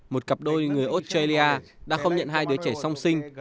một cặp đôi người australia đã không nhận hai đứa trẻ song sinh